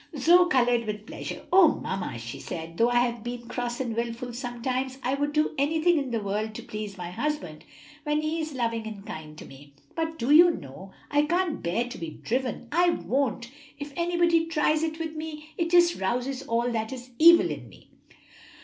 Zoe colored with pleasure. "O mamma," she said, "though I have been cross and wilful sometimes, I would do anything in the world to please my husband when he is loving and kind to me. But do you know, I can't bear to be driven. I won't; if anybody tries it with me, it just rouses all that is evil in me."